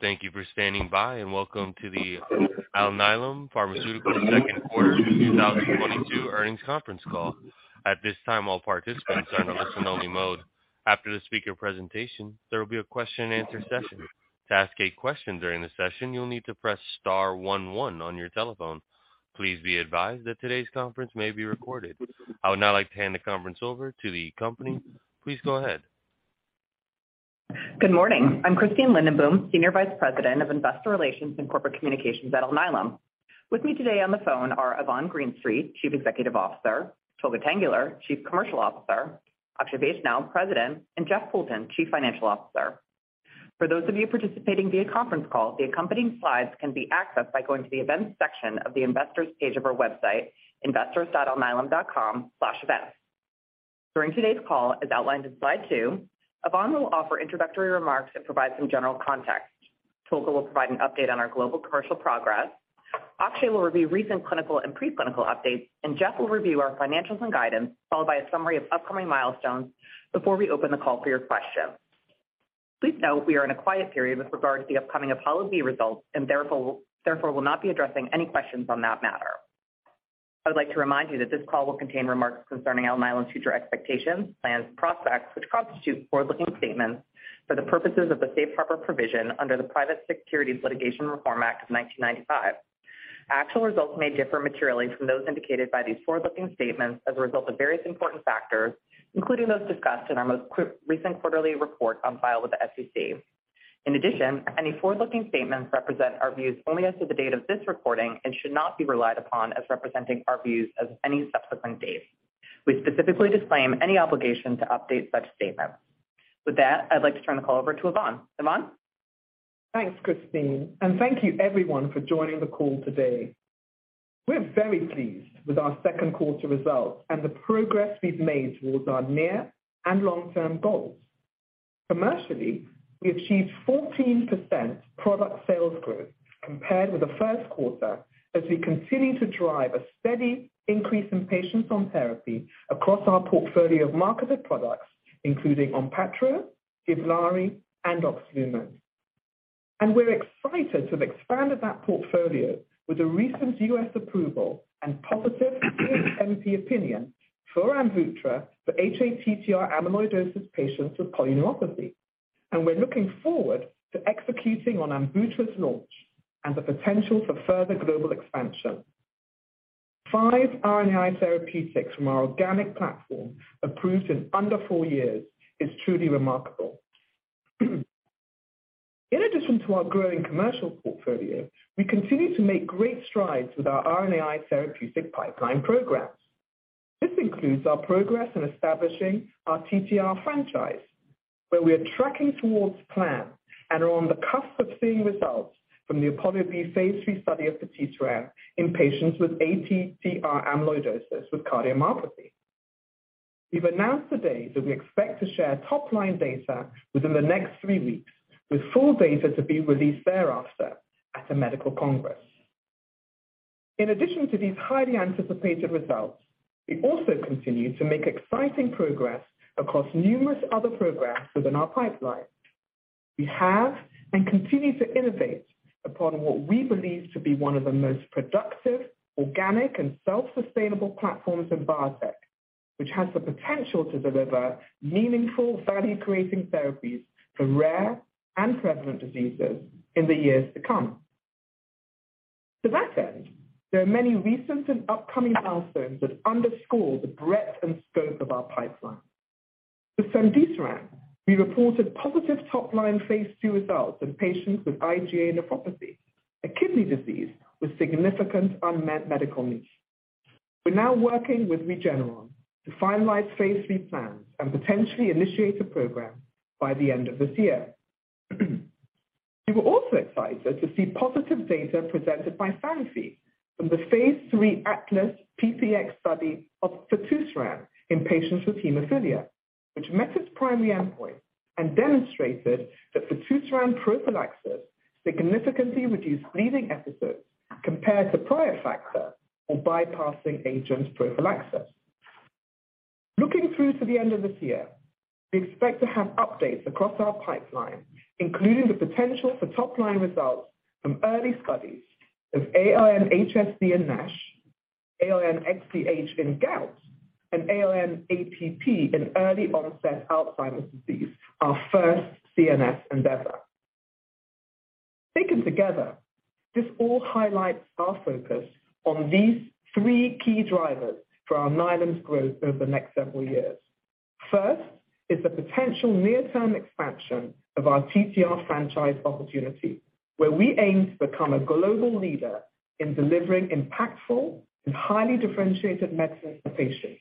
Thank you for standing by, and welcome to the Alnylam Pharmaceuticals second quarter 2022 earnings conference call. At this time, all participants are in listen only mode. After the speaker presentation, there will be a question and answer session. To ask a question during the session, you'll need to press star one one on your telephone. Please be advised that today's conference may be recorded. I would now like to hand the conference over to the company. Please go ahead. Good morning. I'm Christine Lindenboom, Senior Vice President of Investor Relations and Corporate Communications at Alnylam. With me today on the phone are Yvonne Greenstreet, Chief Executive Officer, Tolga Tanguler, Chief Commercial Officer, Akshay Vaishnaw, President, and Jeff Poulton, Chief Financial Officer. For those of you participating via conference call, the accompanying slides can be accessed by going to the events section of the investor's page of our website, investors.alnylam.com/events. During today's call, as outlined in slide two, Yvonne will offer introductory remarks and provide some general context. Tolga will provide an update on our global commercial progress. Akshay will review recent clinical and pre-clinical updates, and Jeff will review our financials and guidance, followed by a summary of upcoming milestones before we open the call for your questions. Please note we are in a quiet period with regard to the upcoming APOLLO-B results and therefore will not be addressing any questions on that matter. I would like to remind you that this call will contain remarks concerning Alnylam's future expectations, plans, prospects, which constitute forward-looking statements for the purposes of the safe harbor provision under the Private Securities Litigation Reform Act of 1995. Actual results may differ materially from those indicated by these forward-looking statements as a result of various important factors, including those discussed in our most recent quarterly report on file with the SEC. In addition, any forward-looking statements represent our views only as of the date of this recording and should not be relied upon as representing our views as of any subsequent date. We specifically disclaim any obligation to update such statements. With that, I'd like to turn the call over to Yvonne. Yvonne. Thanks, Christine, and thank you everyone for joining the call today. We're very pleased with our second quarter results and the progress we've made towards our near and long-term goals. Commercially, we achieved 14% product sales growth compared with the first quarter as we continue to drive a steady increase in patients on therapy across our portfolio of marketed products, including ONPATTRO, GIVLAARI and OXLUMO. We're excited to have expanded that portfolio with the recent U.S approval and positive MP opinion for AMVUTTRA for hATTR amyloidosis patients with polyneuropathy. We're looking forward to executing on AMVUTTRA's launch and the potential for further global expansion. Five RNAi therapeutics from our organic platform approved in under four years is truly remarkable. In addition to our growing commercial portfolio, we continue to make great strides with our RNAi therapeutic pipeline programs. This includes our progress in establishing our TTR franchise, where we are tracking towards plan and are on the cusp of seeing results from the APOLLO-B phase III study of patisiran in patients with ATTR amyloidosis with cardiomyopathy. We've announced today that we expect to share top-line data within the next 3 weeks, with full data to be released thereafter at a medical congress. In addition to these highly anticipated results, we also continue to make exciting progress across numerous other programs within our pipeline. We have and continue to innovate upon what we believe to be one of the most productive, organic and self-sustainable platforms in biotech, which has the potential to deliver meaningful value-creating therapies for rare and prevalent diseases in the years to come. To that end, there are many recent and upcoming milestones that underscore the breadth and scope of our pipeline. With fitusiran, we reported positive top-line phase II results in patients with IgA nephropathy, a kidney disease with significant unmet medical needs. We're now working with Regeneron to finalize phase III plans and potentially initiate a program by the end of this year. We were also excited to see positive data presented by Sanofi from the phase III ATLAS-PPX study of fitusiran in patients with hemophilia, which met its primary endpoint and demonstrated that fitusiran prophylaxis significantly reduced bleeding episodes compared to prior factor or bypassing agent prophylaxis. Looking through to the end of this year, we expect to have updates across our pipeline, including the potential for top-line results from early studies of ALN-HSD in NASH, ALN-XDH in gout, and ALN-APP in early-onset Alzheimer's disease, our first CNS endeavor. Taken together, this all highlights our focus on these three key drivers for Alnylam's growth over the next several years. First is the potential near-term expansion of our TTR franchise opportunity, where we aim to become a global leader in delivering impactful and highly differentiated medicine for patients.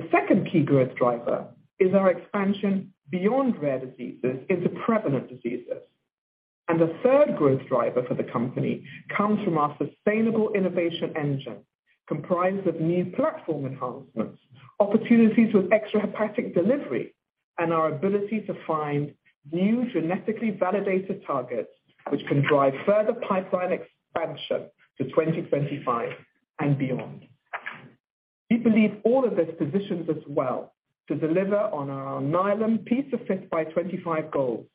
The second key growth driver is our expansion beyond rare diseases into prevalent diseases. The third growth driver for the company comes from our sustainable innovation engine, comprised of new platform enhancements, opportunities with extrahepatic delivery, and our ability to find new genetically validated targets which can drive further pipeline expansion to 2025 and beyond. We believe all of this positions us well to deliver on our Alnylam P5x25 goals,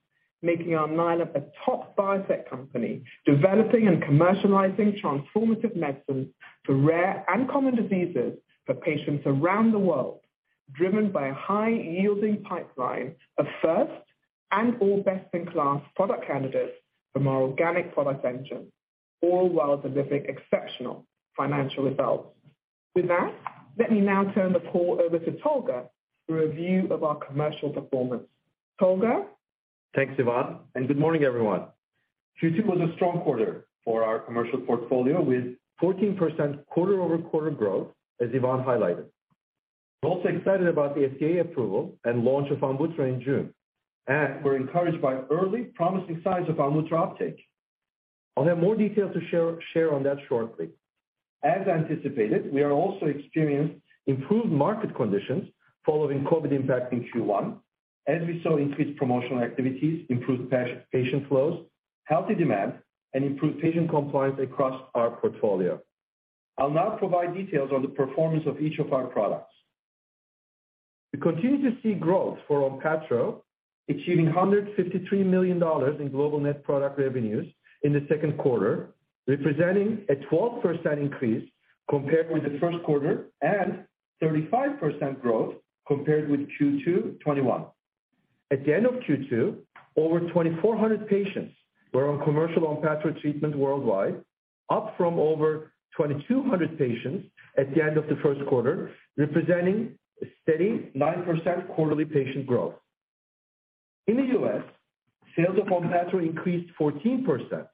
making Alnylam a top biotech company, developing and commercializing transformative medicines for rare and common diseases for patients around the world, driven by a high-yielding pipeline of first and all best-in-class product candidates from our organic product engine, all while delivering exceptional financial results. With that, let me now turn the call over to Tolga for a review of our commercial performance. Tolga? Thanks, Yvonne, and good morning, everyone. Q2 was a strong quarter for our commercial portfolio with 14% quarter-over-quarter growth, as Yvonne highlighted. We're also excited about the FDA approval and launch of ONPATTRO in June, and we're encouraged by early promising signs of ONPATTRO uptake. I'll have more details to share on that shortly. As anticipated, we are also experiencing improved market conditions following COVID impact in Q1 as we saw increased promotional activities, improved patient flows, healthy demand, and improved patient compliance across our portfolio. I'll now provide details on the performance of each of our products. We continue to see growth for ONPATTRO, achieving $153 million in global net product revenues in the second quarter, representing a 12% increase compared with the first quarter and 35% growth compared with Q2 2021. At the end of Q2, over 2,400 patients were on commercial ONPATTRO treatment worldwide, up from over 2,200 patients at the end of the first quarter, representing a steady 9% quarterly patient growth. In the U.S., sales of ONPATTRO increased 14%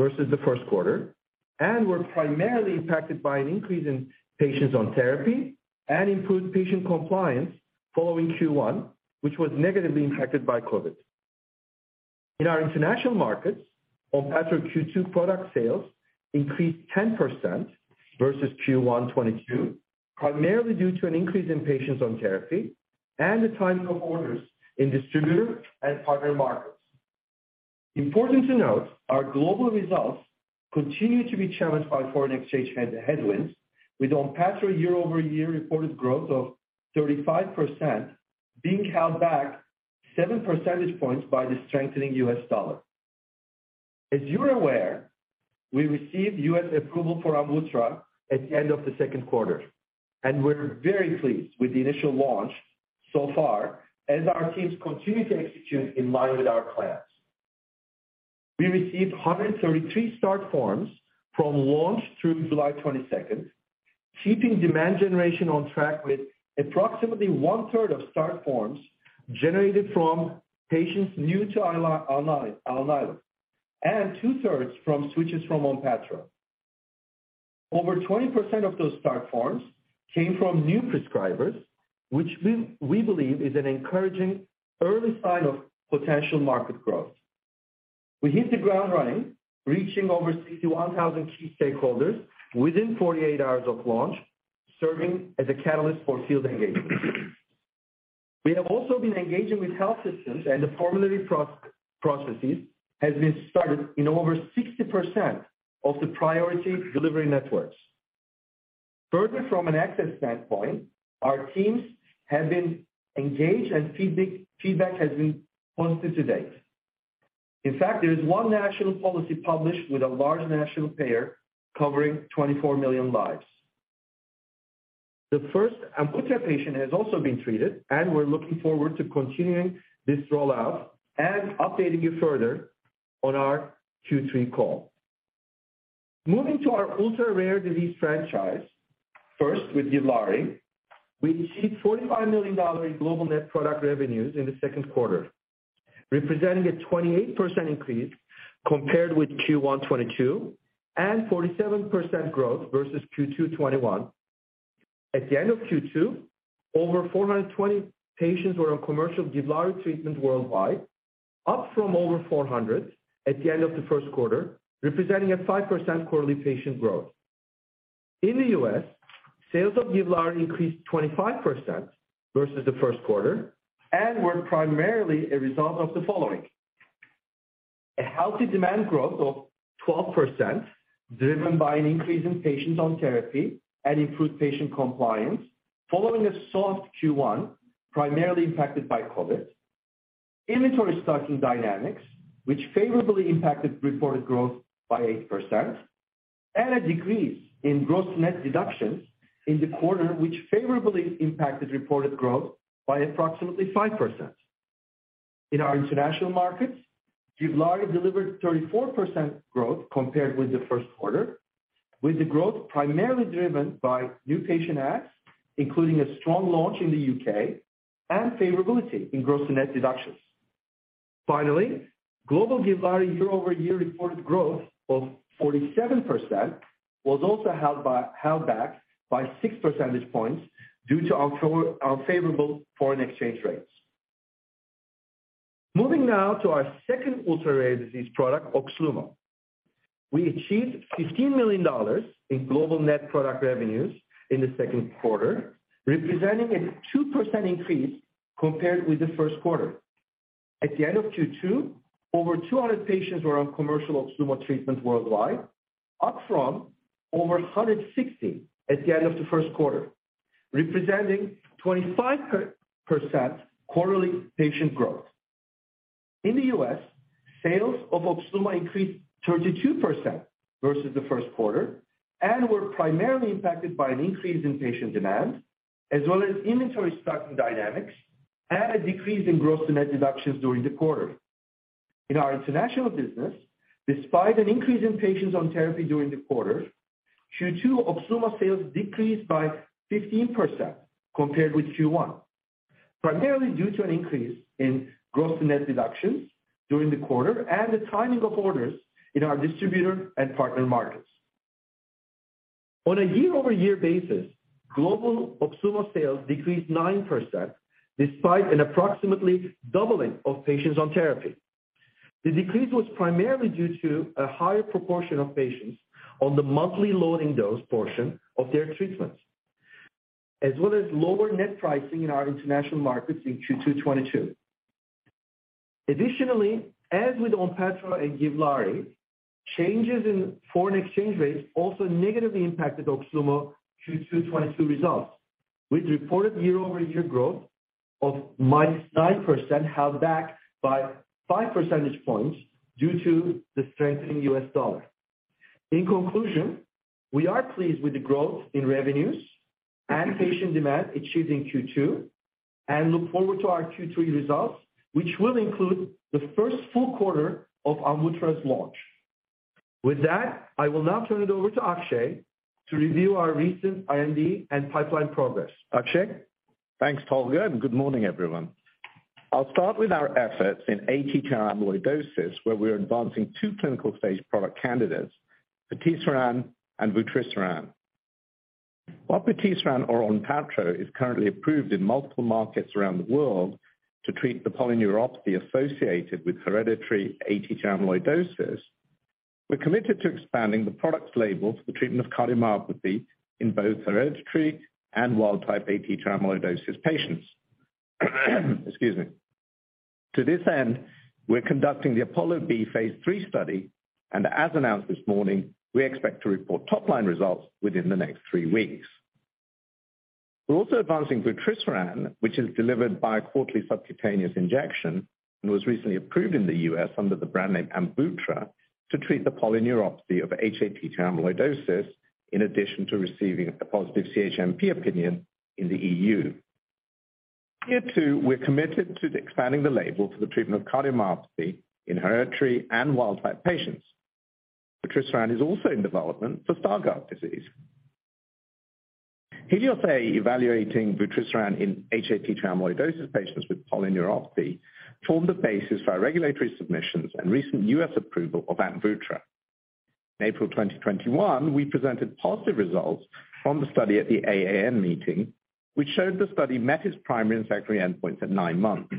versus the first quarter and were primarily impacted by an increase in patients on therapy and improved patient compliance following Q1, which was negatively impacted by COVID. In our international markets, ONPATTRO Q2 product sales increased 10% versus Q1 2022, primarily due to an increase in patients on therapy and the timing of orders in distributor and partner markets. Important to note, our global results continue to be challenged by foreign exchange headwinds, with ONPATTRO year-over-year reported growth of 35% being held back 7 percentage points by the strengthening U.S. dollar. As you're aware, we received U.S. approval for ONPATTRO at the end of the second quarter, and we're very pleased with the initial launch so far as our teams continue to execute in line with our plans. We received 133 start forms from launch through July 22, keeping demand generation on track with approximately 1/3 of start forms generated from patients new to Alnylam, and 2/3 from switches from ONPATTRO. Over 20% of those start forms came from new prescribers, which we believe is an encouraging early sign of potential market growth. We hit the ground running, reaching over 61,000 key stakeholders within 48 hours of launch, serving as a catalyst for field engagement. We have also been engaging with health systems and the formulary processes has been started in over 60% of the priority delivery networks. Further from an access standpoint, our teams have been engaged and feedback has been positive to date. In fact, there is one national policy published with a large national payer covering 24 million lives. The first ONPATTRO patient has also been treated, and we're looking forward to continuing this rollout and updating you further on our Q3 call. Moving to our ultra-rare disease franchise, first with GIVLAARI. We achieved $45 million in global net product revenues in the second quarter, representing a 28% increase compared with Q1 2022 and 47% growth versus Q2 2021. At the end of Q2, over 420 patients were on commercial GIVLAARI treatment worldwide, up from over 400 at the end of the first quarter, representing a 5% quarterly patient growth. In the US, sales of GIVLAARI increased 25% versus the first quarter and were primarily a result of the following. A healthy demand growth of 12%, driven by an increase in patients on therapy and improved patient compliance following a soft Q1, primarily impacted by COVID. Inventory stocking dynamics, which favorably impacted reported growth by 8%, and a decrease in gross-to-net deductions in the quarter, which favorably impacted reported growth by approximately 5%. In our international markets, GIVLAARI delivered 34% growth compared with the first quarter, with the growth primarily driven by new patient adds, including a strong launch in the U.K and favorability in gross-to-net deductions. Finally, global GIVLAARI year-over-year reported growth of 47% was also held back by 6 percentage points due to unfavorable foreign exchange rates. Moving now to our second ultra-rare disease product, OXLUMO. We achieved $15 million in global net product revenues in the second quarter, representing a 2% increase compared with the first quarter. At the end of Q2, over 200 patients were on commercial OXLUMO treatment worldwide, up from over 160 at the end of the first quarter, representing 25% quarterly patient growth. In the U.S., sales of OXLUMO increased 32% versus the first quarter, and were primarily impacted by an increase in patient demand, as well as inventory stocking dynamics and a decrease in gross to net deductions during the quarter. In our international business, despite an increase in patients on therapy during the quarter, Q2 OXLUMO sales decreased by 15% compared with Q1, primarily due to an increase in gross to net deductions during the quarter and the timing of orders in our distributor and partner markets. On a year-over-year basis, global OXLUMO sales decreased 9% despite an approximately doubling of patients on therapy. The decrease was primarily due to a higher proportion of patients on the monthly loading dose portion of their treatments, as well as lower net pricing in our international markets in Q2 2022. Additionally, as with ONPATTRO and GIVLAARI, changes in foreign exchange rates also negatively impacted OXLUMO Q2 2022 results, with reported year-over-year growth of -9% held back by five percentage points due to the strengthening US dollar. In conclusion, we are pleased with the growth in revenues and patient demand achieved in Q2, and look forward to our Q3 results, which will include the first full quarter of AMVUTTRA's launch. With that, I will now turn it over to Akshay to review our recent IND and pipeline progress. Akshay? Thanks, Tolga, and good morning, everyone. I'll start with our efforts in ATTR amyloidosis, where we are advancing two clinical phase II product candidates, patisiran and vutrisiran. While patisiran or ONPATTRO is currently approved in multiple markets around the world to treat the polyneuropathy associated with hereditary ATTR amyloidosis, we're committed to expanding the product label for the treatment of cardiomyopathy in both hereditary and wild type ATTR amyloidosis patients. Excuse me. To this end, we're conducting the APOLLO-B phase III study, and as announced this morning, we expect to report top-line results within the next three weeks. We're also advancing vutrisiran, which is delivered by a quarterly subcutaneous injection and was recently approved in the U.S. under the brand name AMVUTTRA to treat the polyneuropathy of hATTR amyloidosis, in addition to receiving a positive CHMP opinion in the E.U. Here, too, we're committed to expanding the label for the treatment of cardiomyopathy in hereditary and wild type patients. Vutrisiran is also in development for Stargardt disease. HELIOS-A evaluating vutrisiran in hATTR amyloidosis patients with polyneuropathy formed the basis for our regulatory submissions and recent US approval of AMVUTTRA. In April 2021, we presented positive results from the study at the AAN meeting, which showed the study met its primary and secondary endpoints at nine months.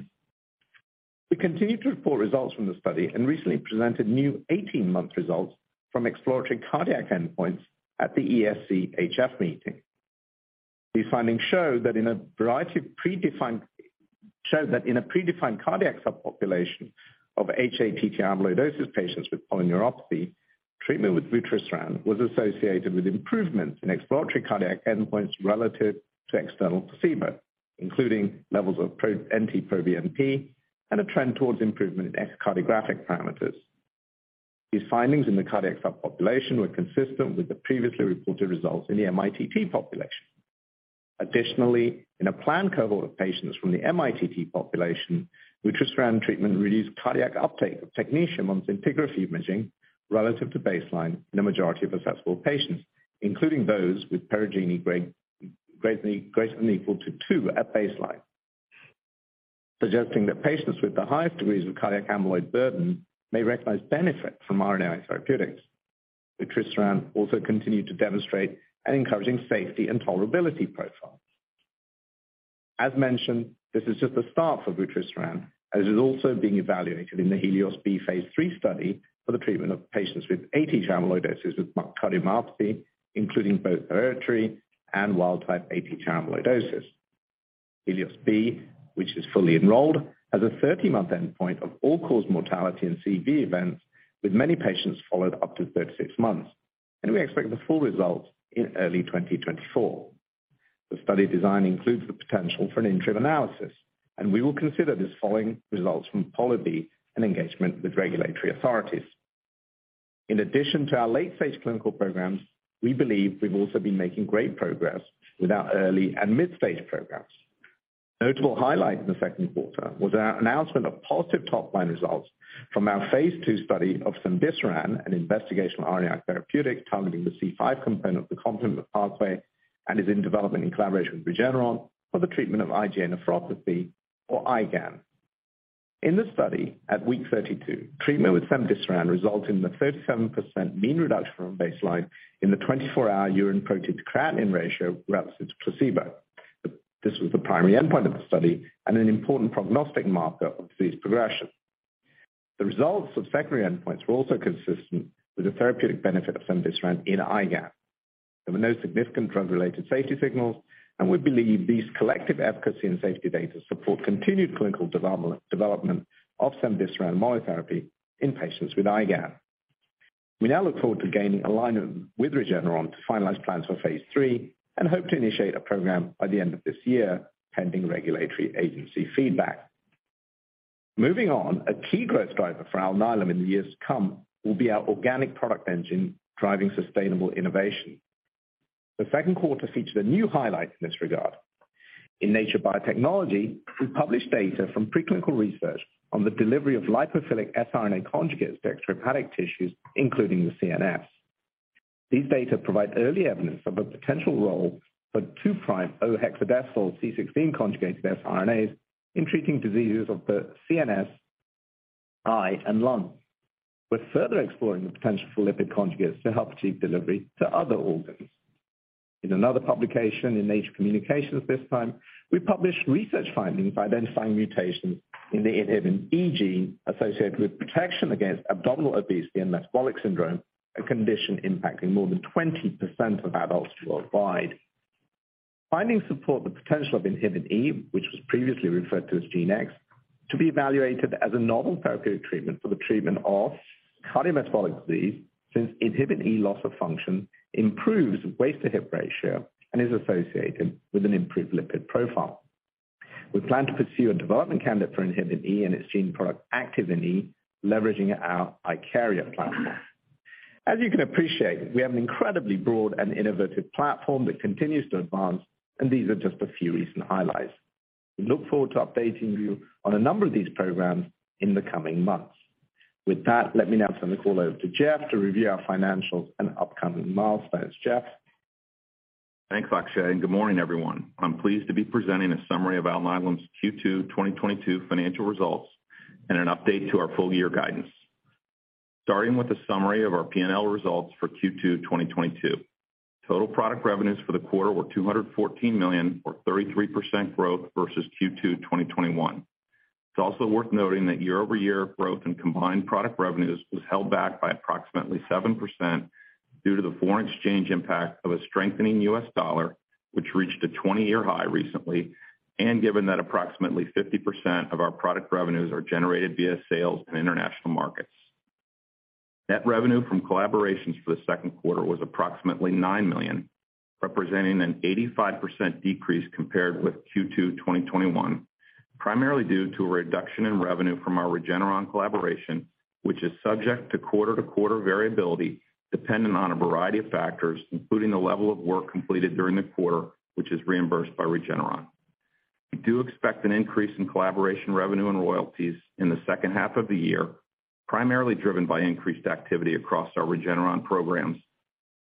We continued to report results from the study and recently presented new 18-month results from exploratory cardiac endpoints at the ESC HF meeting. These findings show that in a predefined cardiac subpopulation of hATTR amyloidosis patients with polyneuropathy, treatment with vutrisiran was associated with improvements in exploratory cardiac endpoints relative to external placebo, including levels of NT-proBNP and a trend towards improvement in echocardiographic parameters. These findings in the cardiac subpopulation were consistent with the previously reported results in the mITT population. Additionally, in a planned cohort of patients from the mITT population, vutrisiran treatment reduced cardiac uptake of technetium on scintigraphy imaging relative to baseline in the majority of assessable patients, including those with Perugini grade greater than or equal to two at baseline, suggesting that patients with the highest degrees of cardiac amyloid burden may recognize benefit from RNAi therapeutics. Vutrisiran also continued to demonstrate an encouraging safety and tolerability profile. As mentioned, this is just the start for vutrisiran, as it is also being evaluated in the HELIOS-B phase III study for the treatment of patients with ATTR amyloidosis with cardiomyopathy, including both hereditary and wild type ATTR amyloidosis. HELIOS-B, which is fully enrolled, has a 30-month endpoint of all-cause mortality and CV events, with many patients followed up to 36 months, and we expect the full results in early 2024. The study design includes the potential for an interim analysis, and we will consider this following results from policy and engagement with regulatory authorities. In addition to our late-stage clinical programs, we believe we've also been making great progress with our early and mid-stage programs. Notable highlight in the second quarter was our announcement of positive top-line results from our phase II study of cemdisiran, an investigational RNA therapeutic targeting the C5 component of the complement pathway and is in development in collaboration with Regeneron for the treatment of IgA nephropathy or IgAN. In this study, at week 32, treatment with cemdisiran resulted in a 37% mean reduction from baseline in the 24-hour urine protein-creatinine ratio relative to placebo. This was the primary endpoint of the study and an important prognostic marker of disease progression. The results of secondary endpoints were also consistent with the therapeutic benefit of cemdisiran in IgAN. There were no significant drug-related safety signals, and we believe these collective efficacy and safety data support continued clinical development of cemdisiran monotherapy in patients with IgAN. We now look forward to gaining alignment with Regeneron to finalize plans for phase III and hope to initiate a program by the end of this year, pending regulatory agency feedback. Moving on, a key growth driver for Alnylam in the years to come will be our organic product engine driving sustainable innovation. The second quarter featured a new highlight in this regard. In Nature Biotechnology, we published data from pre-clinical research on the delivery of lipophilic siRNA conjugates to extrahepatic tissues, including the CNS. These data provide early evidence of a potential role for 2'-O-hexadecyl-C16 conjugated siRNAs in treating diseases of the CNS, eye, and lung. We're further exploring the potential for lipid conjugates to help achieve delivery to other organs. In another publication, in Nature Communications this time, we published research findings by identifying mutations in the INHBE gene associated with protection against abdominal obesity and metabolic syndrome, a condition impacting more than 20% of adults worldwide. Findings support the potential of INHBE, which was previously referred to as Gene X, to be evaluated as a novel therapeutic treatment for the treatment of cardiometabolic disease, since INHBE loss of function improves waist-to-hip ratio and is associated with an improved lipid profile. We plan to pursue a development candidate for INHBE and its gene product Activin E, leveraging our IKARIA platform. As you can appreciate, we have an incredibly broad and innovative platform that continues to advance, and these are just a few recent highlights. We look forward to updating you on a number of these programs in the coming months. With that, let me now turn the call over to Jeff to review our financials and upcoming milestones. Jeff? Thanks, Akshay, and good morning, everyone. I'm pleased to be presenting a summary of Alnylam's Q2 2022 financial results and an update to our full year guidance. Starting with a summary of our P&L results for Q2 2022. Total product revenues for the quarter were $214 million or 33% growth versus Q2 2021. It's also worth noting that year-over-year growth in combined product revenues was held back by approximately 7% due to the foreign exchange impact of a strengthening US dollar, which reached a 20-year high recently, and given that approximately 50% of our product revenues are generated via sales in international markets. Net revenue from collaborations for the second quarter was approximately $9 million, representing an 85% decrease compared with Q2 2021, primarily due to a reduction in revenue from our Regeneron collaboration, which is subject to quarter-to-quarter variability, dependent on a variety of factors, including the level of work completed during the quarter, which is reimbursed by Regeneron. We do expect an increase in collaboration revenue and royalties in the second half of the year, primarily driven by increased activity across our Regeneron programs,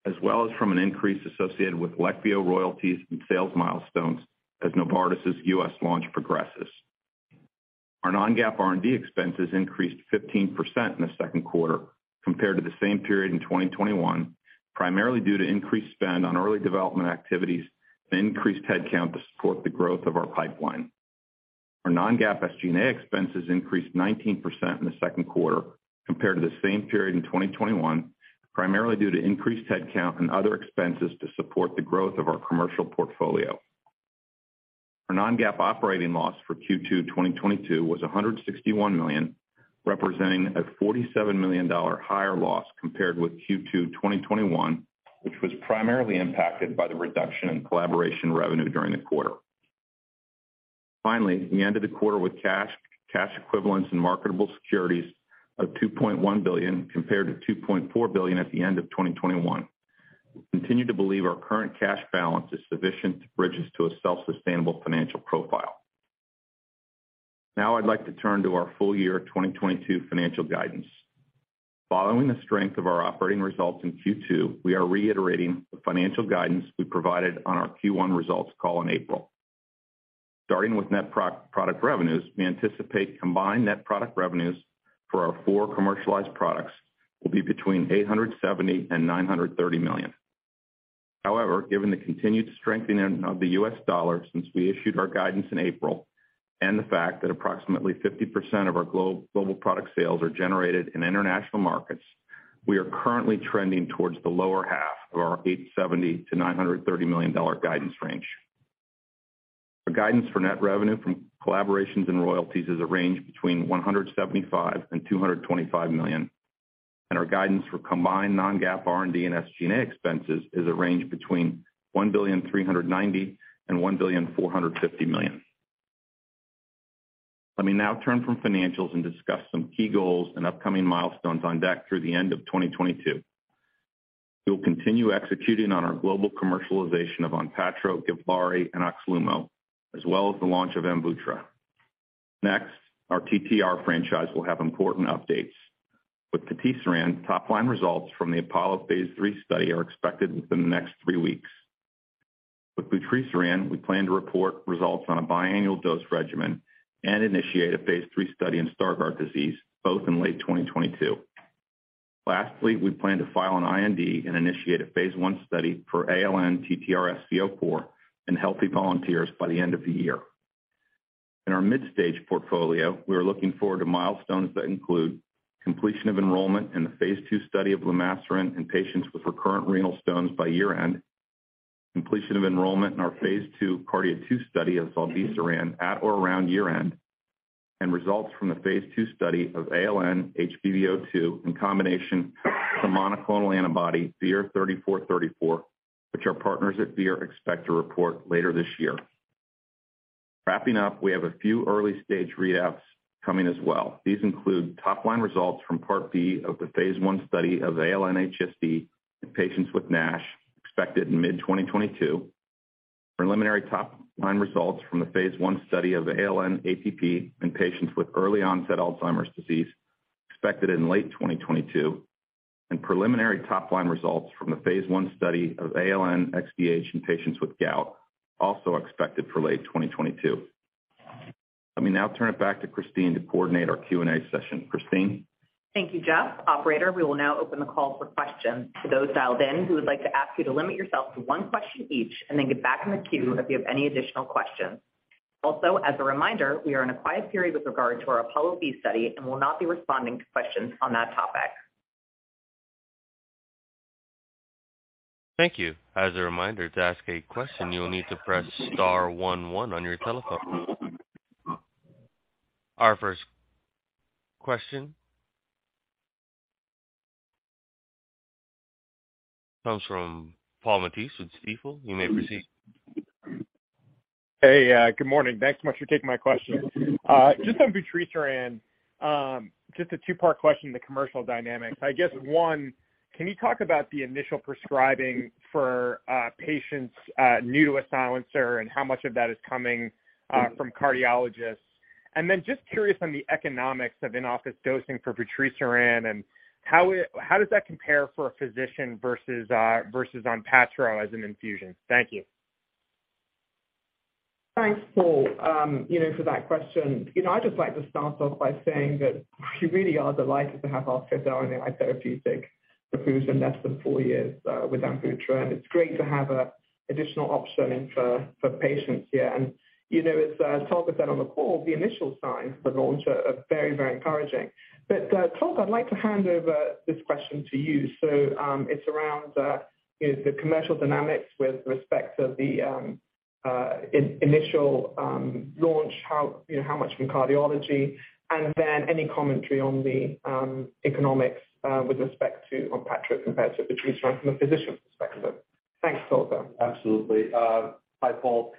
as well as from an increase associated with Leqvio royalties and sales milestones as Novartis' U.S launch progresses. Our Non-GAAP R&D expenses increased 15% in the second quarter compared to the same period in 2021, primarily due to increased spend on early development activities and increased head count to support the growth of our pipeline. Our non-GAAP SG&A expenses increased 19% in the second quarter compared to the same period in 2021, primarily due to increased head count and other expenses to support the growth of our commercial portfolio. Our Non-GAAP operating loss for Q2 2022 was $161 million, representing a $47 million higher loss compared with Q2 2021, which was primarily impacted by the reduction in collaboration revenue during the quarter. Finally, we ended the quarter with cash equivalents, and marketable securities of $2.1 billion, compared to $2.4 billion at the end of 2021. We continue to believe our current cash balance is sufficient to bridge us to a self-sustainable financial profile. Now I'd like to turn to our full year 2022 financial guidance. Following the strength of our operating results in Q2, we are reiterating the financial guidance we provided on our Q1 results call in April. Starting with net product revenues, we anticipate combined net product revenues for our four commercialized products will be between $870 million and $930 million. However, given the continued strengthening of the US dollar since we issued our guidance in April, and the fact that approximately 50% of our global product sales are generated in international markets, we are currently trending towards the lower half of our $870 million-$930 million guidance range. Our guidance for net revenue from collaborations and royalties is a range between $175 million and $225 million, and our guidance for combined Non-GAAP R&D and SG&A expenses is a range between $1.39 billion and $1.45 billion. Let me now turn from financials and discuss some key goals and upcoming milestones on deck through the end of 2022. We will continue executing on our global commercialization of ONPATTRO, GIVLAARI, and OXLUMO, as well as the launch of AMVUTTRA. Next, our TTR franchise will have important updates. With patisiran, top-line results from the APOLLO phase III study are expected within the next 3 weeks. With vutrisiran, we plan to report results on a biannual dose regimen and initiate a phase III study in Stargardt disease, both in late 2022. Lastly, we plan to file an IND and initiate a phase I study for ALN-TTRsc04 in healthy volunteers by the end of the year. In our mid-stage portfolio, we are looking forward to milestones that include completion of enrollment in the phase II study of lumasiran in patients with recurrent renal stones by year-end, completion of enrollment in our phase II KARDIA-2 study of zilebesiran at or around year-end, and results from the phase II study of ALN-HBV02 in combination with monoclonal antibody VIR-3434, which our partners at Vir Biotechnology expect to report later this year. Wrapping up, we have a few early-stage readouts coming as well. These include top line results from part B of the phase I study of ALN-HSD in patients with NASH expected in mid-2022. Preliminary top line results from the phase I study of ALN-APP in patients with early onset Alzheimer's disease expected in late 2022, and preliminary top line results from the phase I study of ALN-XDH in patients with gout also expected for late 2022. Let me now turn it back to Christine to coordinate our Q&A session. Christine. Thank you, Jeff. Operator, we will now open the call for questions. To those dialed in, we would like to ask you to limit yourself to one question each and then get back in the queue if you have any additional questions. Also, as a reminder, we are in a quiet period with regard to our APOLLO-B study and will not be responding to questions on that topic. Thank you. As a reminder, to ask a question, you will need to press star one one on your telephone. Our first question comes from Paul Matteis with Stifel. You may proceed. Hey, good morning. Thanks so much for taking my question. Just on vutrisiran, just a two-part question, the commercial dynamics. I guess one, can you talk about the initial prescribing for patients new to AMVUTTRA, and how much of that is coming from cardiologists? Just curious on the economics of in-office dosing for vutrisiran and how does that compare for a physician versus ONPATTRO as an infusion? Thank you. Thanks, Paul, you know, for that question. You know, I'd just like to start off by saying that we really are delighted to have our fifth RNA therapeutic approved in less than four years with AMVUTTRA, and it's great to have an additional option for patients here. You know, as Tolga said on the call, the initial signs for launch are very encouraging. Tolga, I'd like to hand over this question to you. It's around you know, the commercial dynamics with respect to the initial launch, how you know, how much from cardiology and then any commentary on the economics with respect to ONPATTRO compared to AMVUTTRA from a physician perspective. Thanks, Tolga. Absolutely. Hi, Paul.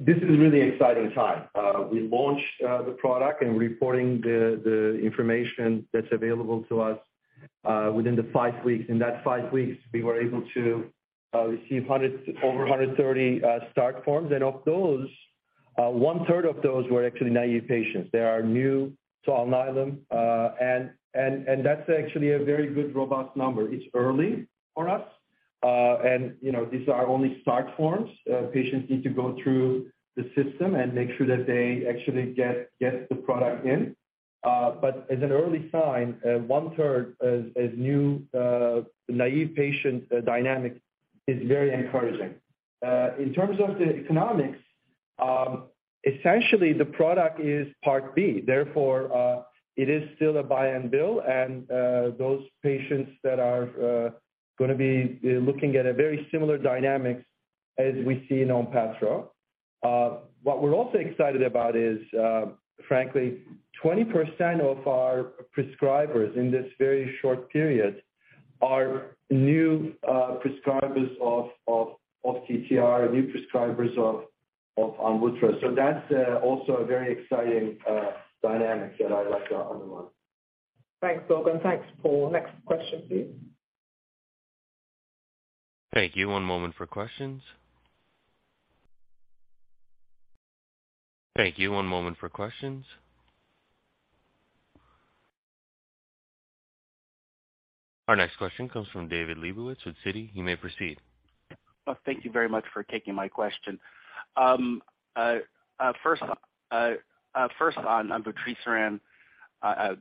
This is a really exciting time. We launched the product and reporting the information that's available to us within the five weeks. In that five weeks, we were able to receive over 130 start forms. Of those, one-third of those were actually naive patients. They are new to Alnylam, and that's actually a very good, robust number. It's early for us, and you know, these are only start forms. Patients need to go through the system and make sure that they actually get the product in. As an early sign, one third of new naive patient dynamic is very encouraging. In terms of the economics, essentially the product is part B, therefore it is still a buy and bill. Those patients that are gonna be looking at a very similar dynamics as we see in ONPATTRO. What we're also excited about is frankly 20% of our prescribers in this very short period are new prescribers of TTR, new prescribers of AMVUTTRA. That's also a very exciting dynamic that I like to underline. Thanks, Tolga. Thanks, Paul. Next question, please. Thank you. One moment for questions. Our next question comes from David Lebovitz with Citi. You may proceed. Well, thank you very much for taking my question. First on vutrisiran,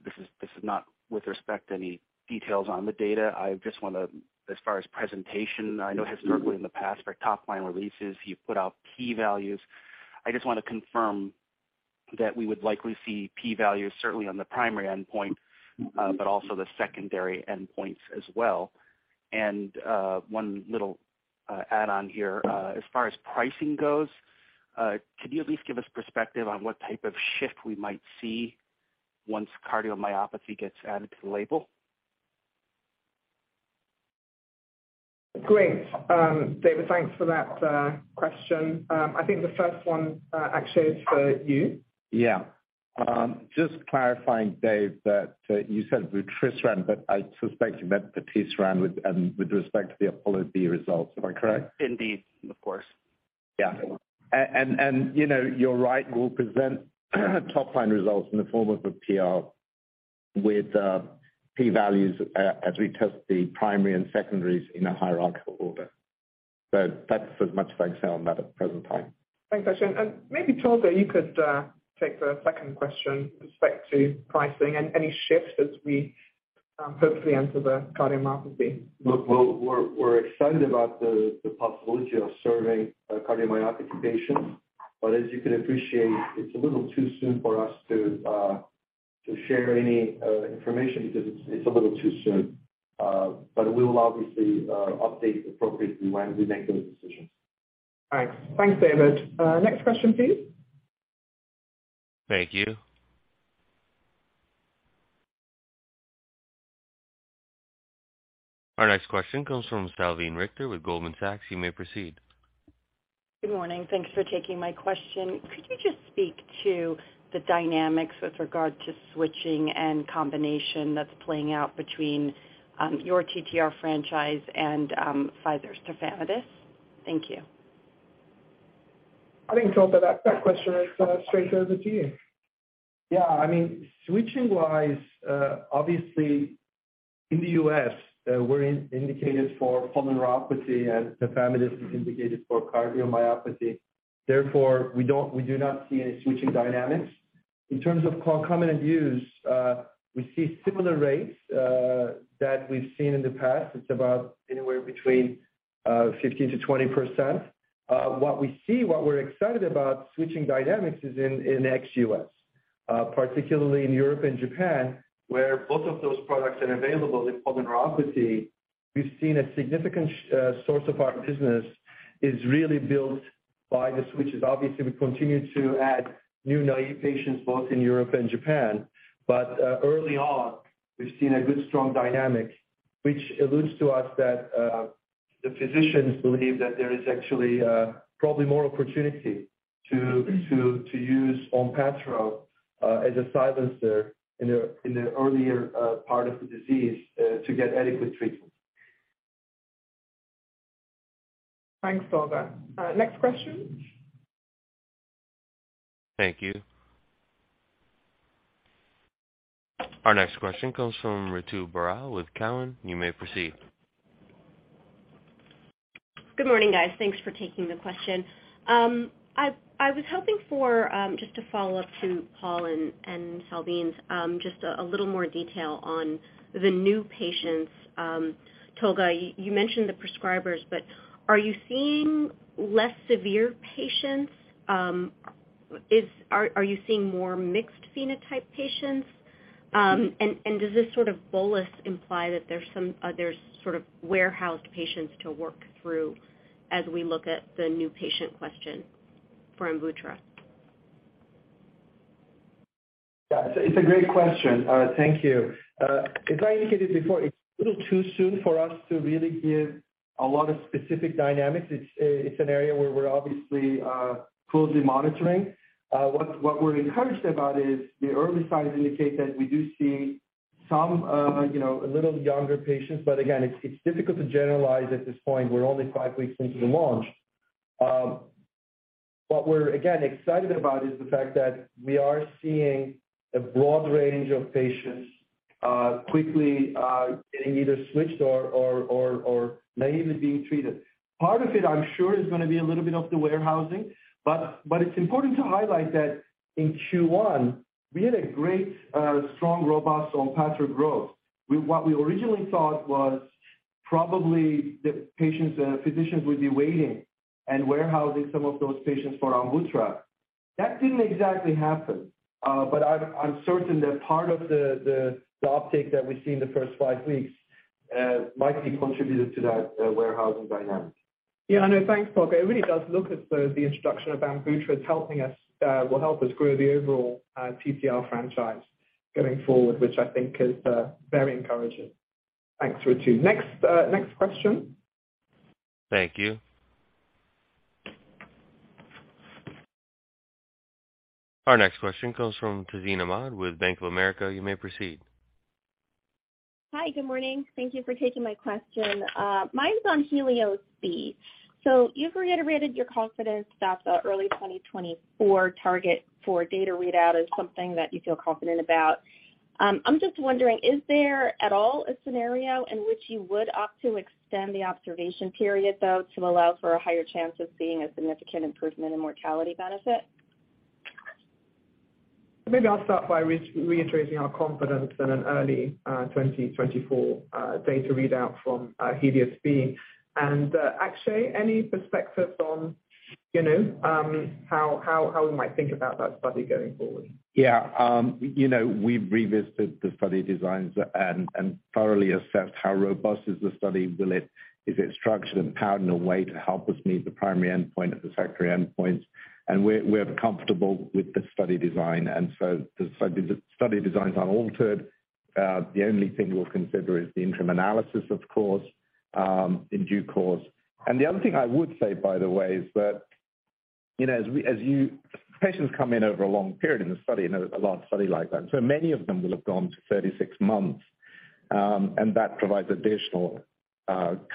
this is not with respect to any details on the data. I just wanna, as far as presentation, I know historically in the past, for top-line releases, you've put out key values. I just wanna confirm that we would likely see P values certainly on the primary endpoint, but also the secondary endpoints as well. One little add on here. As far as pricing goes, could you at least give us perspective on what type of shift we might see once cardiomyopathy gets added to the label? Great. David, thanks for that, question. I think the first one, actually is for you. Yeah. Just clarifying, Dave, that you said vutrisiran, but I suspect you meant patisiran with respect to the APOLLO-B results. Am I correct? Indeed, of course. Yeah. You know, you're right. We'll present top line results in the form of a PR with P values as we test the primary and secondaries in a hierarchical order. That's as much as I can say on that at the present time. Thanks, Akshay. Maybe Tolga, you could take the second question with respect to pricing and any shifts as we hopefully enter the cardio market. Look, well, we're excited about the possibility of serving cardiomyopathy patients. As you can appreciate, it's a little too soon for us to share any information because it's a little too soon. We will obviously update appropriately when we make those decisions. Thanks. Thanks, David. Next question, please. Thank you. Our next question comes from Salveen Richter with Goldman Sachs. You may proceed. Good morning. Thanks for taking my question. Could you just speak to the dynamics with regard to switching and combination that's playing out between your TTR franchise and Pfizer's Tafamidis? Thank you. I think, Tolga, that question is straight over to you. I mean, switching wise, obviously in the U.S, we're indicated for polyneuropathy and Tafamidis is indicated for cardiomyopathy. Therefore, we do not see any switching dynamics. In terms of concomitant use, we see similar rates that we've seen in the past. It's about anywhere between 15%-20%. What we see, what we're excited about switching dynamics is in ex-US. Particularly in Europe and Japan, where both of those products are available for polyneuropathy. We've seen a significant source of our business is really built by the switches. Obviously, we continue to add new naive patients both in Europe and Japan. Early on, we've seen a good strong dynamic, which alludes to us that the physicians believe that there is actually probably more opportunity to use ONPATTRO as a silencer in the earlier part of the disease to get adequate treatment. Thanks, Tolga. Next question. Thank you. Our next question comes from Ritu Baral with Cowen. You may proceed. Good morning, guys. Thanks for taking the question. I was hoping for just to follow up to Paul and Salveen's just a little more detail on the new patients. Tolga, you mentioned the prescribers, but are you seeing less severe patients? Are you seeing more mixed phenotype patients? Does this sort of bolus imply that there's sort of warehoused patients to work through as we look at the new patient question for AMVUTTRA? Yeah. It's a great question. Thank you. As I indicated before, it's a little too soon for us to really give a lot of specific dynamics. It's an area where we're obviously closely monitoring. What we're encouraged about is the early signs indicate that we do see some, you know, a little younger patients. But again, it's difficult to generalize at this point. We're only five weeks into the launch. What we're again excited about is the fact that we are seeing a broad range of patients quickly getting either switched or naively being treated. Part of it, I'm sure, is gonna be a little bit of the warehousing. But it's important to highlight that in Q1, we had a great strong robust ONPATTRO growth. What we originally thought was probably the patients, physicians would be waiting and warehousing some of those patients for AMVUTTRA. That didn't exactly happen. I'm certain that part of the uptake that we see in the first five weeks might be attributed to that warehousing dynamic. Yeah, I know. Thanks, Tolga. It really does look as though the introduction of AMVUTTRA will help us grow the overall TTR franchise going forward, which I think is very encouraging. Thanks, Ritu. Next question. Thank you. Our next question comes from Tazeen Ahmad with Bank of America. You may proceed. Hi. Good morning. Thank you for taking my question. Mine's on HELIOS-B. You've reiterated your confidence that the early 2024 target for data readout is something that you feel confident about. I'm just wondering, is there at all a scenario in which you would opt to extend the observation period, though, to allow for a higher chance of seeing a significant improvement in mortality benefit? Maybe I'll start by reiterating our confidence in an early 2024 data readout from HELIOS-B. Akshay, any perspectives on, you know, how we might think about that study going forward? Yeah. You know, we've revisited the study designs and thoroughly assessed how robust is the study. Is it structured and powered in a way to help us meet the primary endpoint or the secondary endpoints? We're comfortable with the study design. The study design is unaltered. The only thing we'll consider is the interim analysis, of course, in due course. The other thing I would say, by the way, is that, you know, patients come in over a long period in the study, in a large study like that, and many of them will have gone to 36 months, and that provides additional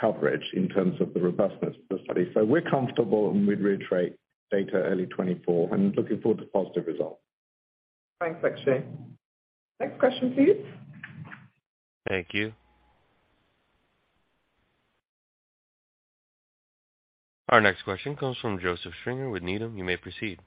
coverage in terms of the robustness of the study. We're comfortable, and we'd reiterate data early 2024 and looking forward to positive results. Thanks, Akshay. Next question, please. Thank you. Our next question comes from Joseph Stringer with Needham. You may proceed.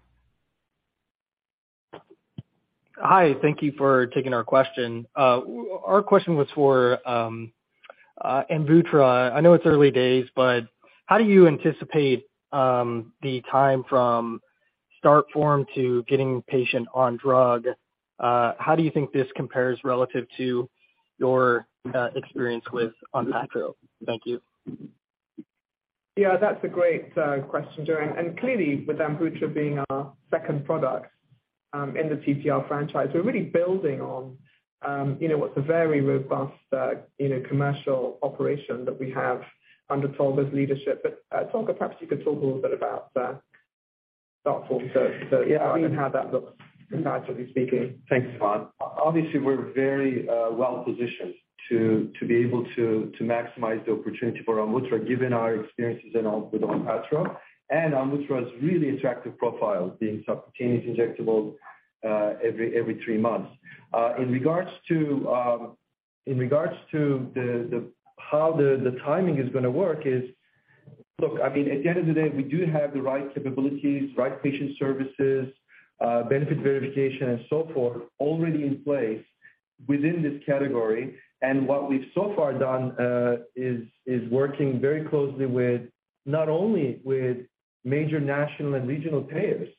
Hi. Thank you for taking our question. Our question was for AMVUTTRA. I know it's early days, but how do you anticipate the time from start form to getting patient on drug? How do you think this compares relative to your experience with ONPATTRO? Thank you. Yeah, that's a great question, Joe. Clearly with AMVUTTRA being our second product in the hATTR franchise, we're really building on you know what's a very robust you know commercial operation that we have under Tolga's leadership. Tolga, perhaps you could talk a little bit about that form. Yeah, how that looks practically speaking. Thanks, Yvonne. Obviously, we're very well-positioned to be able to maximize the opportunity for AMVUTTRA, given our experiences with ONPATTRO and AMVUTTRA's really attractive profile being subcutaneous injectable every three months. In regards to the how the timing is gonna work. Look, I mean, at the end of the day, we do have the right capabilities, right patient services, benefit verification and so forth already in place within this category. What we've so far done is working very closely not only with major national and regional payers,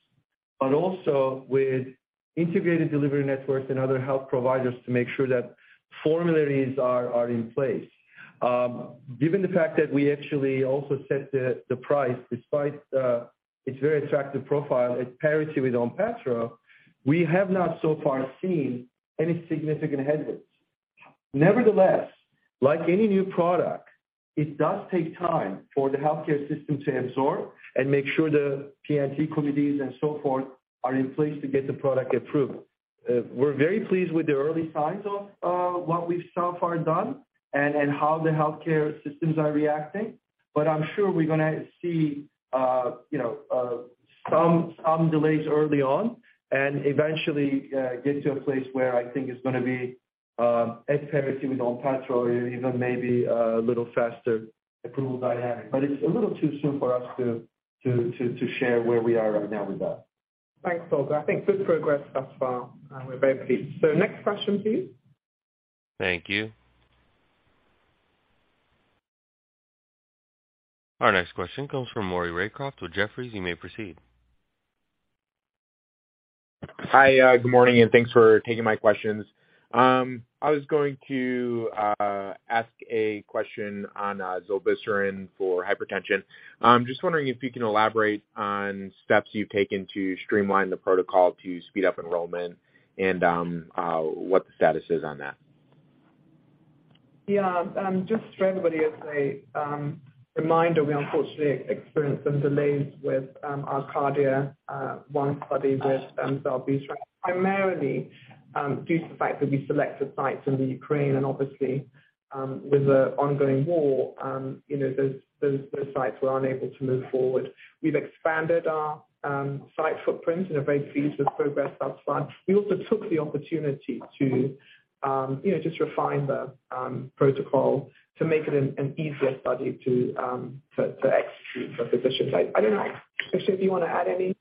but also with integrated delivery networks and other health providers to make sure that formularies are in place. Given the fact that we actually also set the price despite its very attractive profile at parity with ONPATTRO, we have not so far seen any significant headwinds. Nevertheless, like any new product, it does take time for the healthcare system to absorb and make sure the P&T committees and so forth are in place to get the product approved. We're very pleased with the early signs of what we've so far done and how the healthcare systems are reacting. I'm sure we're gonna see you know some delays early on and eventually get to a place where I think it's gonna be at parity with ONPATTRO or even maybe a little faster approval dynamic. It's a little too soon for us to share where we are right now with that. Thanks, Tolga. I think good progress thus far, and we're very pleased. Next question, please. Thank you. Our next question comes from Maury Raycroft with Jefferies. You may proceed. Hi. Good morning, and thanks for taking my questions. I was going to ask a question on zilebesiran for hypertension. Just wondering if you can elaborate on steps you've taken to streamline the protocol to speed up enrollment and what the status is on that. Yeah. Just for everybody as a reminder, we unfortunately experienced some delays with our KARDIA-1 study with zilebesiran, primarily due to the fact that we selected sites in Ukraine and obviously, with the ongoing war, you know, those sites were unable to move forward. We've expanded our site footprint and are very pleased with progress thus far. We also took the opportunity to, you know, just refine the protocol to make it an easier study to execute for physician site. I don't know. Krishan, do you wanna add any?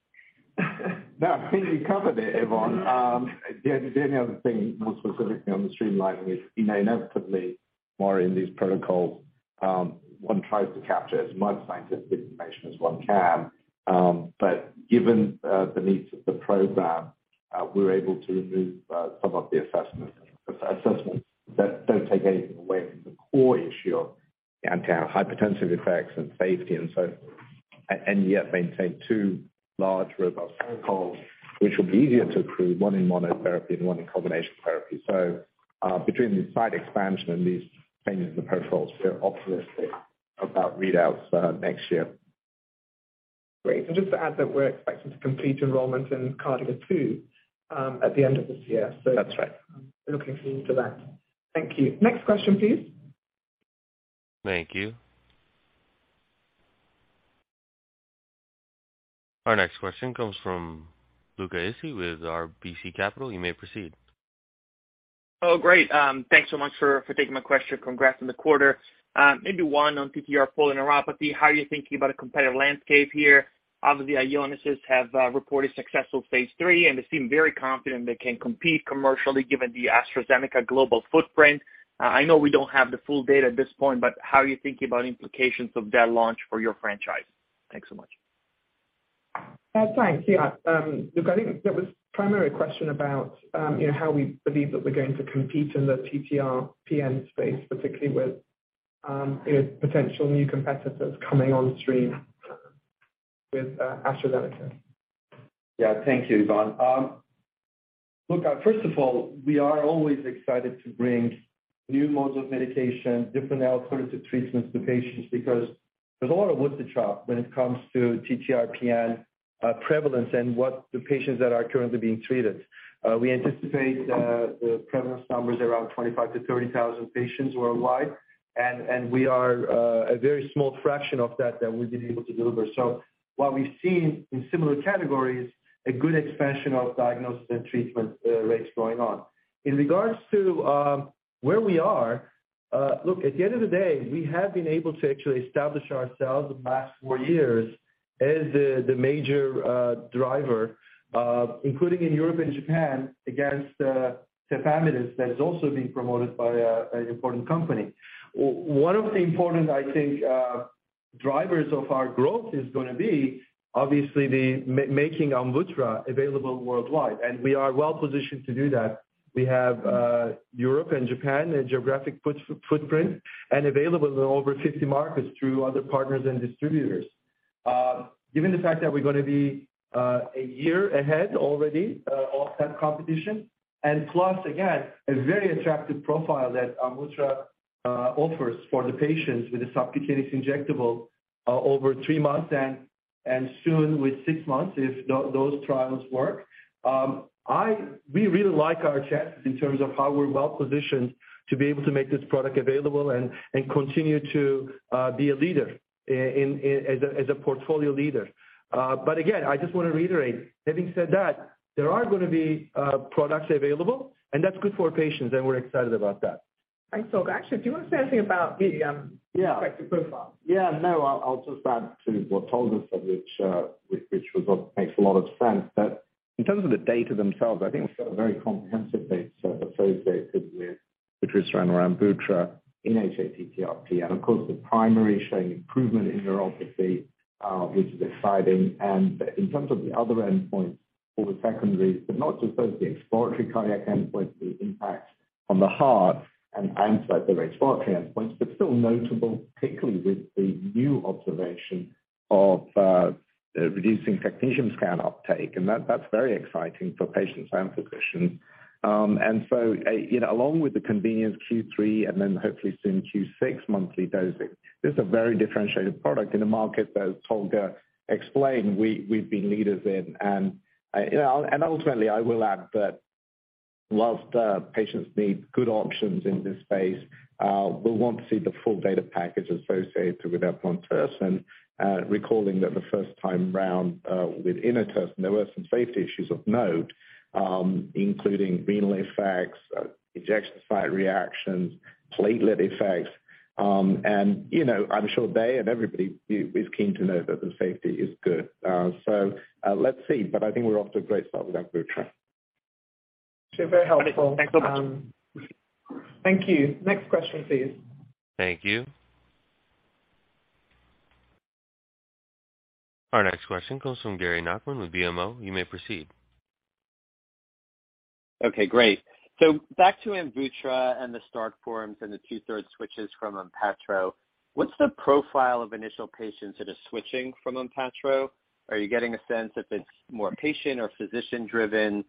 No, I think you covered it, Yvonne. The only other thing more specifically on the streamlining is, you know, inevitably more in these protocols, one tries to capture as much scientific information as one can. But given the needs of the program, we're able to remove some of the assessments. Assessments that don't take anything away from the core issue of anti-hypertensive effects and safety and yet maintain two large robust protocols, which will be easier to approve, one in monotherapy and one in combination therapy. Between the site expansion and these changes in the protocols, we're optimistic about readouts next year. Great. Just to add that we're expecting to complete enrollment in KARDIA-2 at the end of this year. That's right. I'm looking forward to that. Thank you. Next question, please. Thank you. Our next question comes from Luca Issi with RBC Capital. You may proceed. Oh, great. Thanks so much for taking my question. Congrats on the quarter. Maybe one on ATTR polyneuropathy. How are you thinking about a competitive landscape here? Obviously, Ionis have reported successful phase III, and they seem very confident they can compete commercially given the AstraZeneca global footprint. I know we don't have the full data at this point, but how are you thinking about implications of that launch for your franchise? Thanks so much. Thanks. Yeah. Look, I think that was primary question about, you know, how we believe that we're going to compete in the hATTR-PN space, particularly with, you know, potential new competitors coming on stream with AstraZeneca. Yeah. Thank you, Yvonne. First of all, we are always excited to bring new modes of medication, different alternative treatments to patients because there's a lot of wood to chop when it comes to hATTR-PN prevalence and what the patients that are currently being treated. We anticipate the prevalence numbers around 25-30,000 patients worldwide. We are a very small fraction of that we've been able to deliver. What we've seen in similar categories, a good expansion of diagnosis and treatment rates going on. In regards to where we are, look, at the end of the day, we have been able to actually establish ourselves the past four years as the major driver, including in Europe and Japan against Tafamidis that's also being promoted by an important company. One of the important, I think, drivers of our growth is gonna be obviously the making AMVUTTRA available worldwide, and we are well-positioned to do that. We have Europe and Japan, a geographic footprint, and available in over 50 markets through other partners and distributors. Given the fact that we're gonna be a year ahead already of that competition, and plus again, a very attractive profile that AMVUTTRA offers for the patients with the subcutaneous injectable over three months and soon with six months if those trials work. We really like our chances in terms of how we're well-positioned to be able to make this product available and continue to be a leader in as a portfolio leader. Again, I just wanna reiterate, having said that, there are gonna be products available, and that's good for patients, and we're excited about that. Thanks, Tolga. Actually, do you wanna say anything about the? Yeah. Safety profile? Yeah, no. I'll just add to what Tolga said, which makes a lot of sense. In terms of the data themselves, I think we've got a very comprehensive data set associated with vutrisiran and AMVUTTRA in hATTR. Of course, the primary showing improvement in neuropathy, which is exciting. In terms of the other endpoints, the secondary, but not just those, the exploratory cardiac endpoints, the impact on the heart and the exploratory endpoints. Still notable, particularly with the new observation of reducing technetium scan uptake. That's very exciting for patients and physicians. You know, along with the convenience Q3 and then hopefully soon Q6 monthly dosing, this is a very differentiated product in a market, as Tolga explained, we've been leaders in. You know, ultimately, I will add that while patients need good options in this space, we'll want to see the full data package associated with eplontersen. Recalling that the first time around, with inotersen, there were some safety issues of note, including renal effects, injection site reactions, platelet effects, and you know, I'm sure they and everybody is keen to know that the safety is good. Let's see. I think we're off to a great start with AMVUTTRA. Sure. Very helpful. Thanks so much. Thank you. Next question, please. Thank you. Our next question comes from Gary Nachman with BMO. You may proceed. Okay, great. Back to AMVUTTRA and the new starts and the two-thirds switches from ONPATTRO. What's the profile of initial patients that are switching from ONPATTRO? Are you getting a sense if it's more patient or physician-driven?